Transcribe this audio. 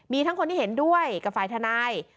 มีทั้งคนที่เห็นด้วยกับฝ่ายทนาย